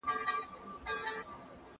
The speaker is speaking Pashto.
زه به سبا د زده کړو تمرين کوم!؟